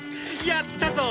やったぞ！